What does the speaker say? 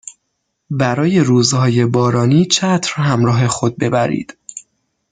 برای روزهای بارانی چتر همراه خود ببرید